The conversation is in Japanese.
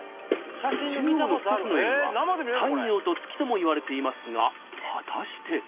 中央の２つの円は太陽と月ともいわれていますが果たして。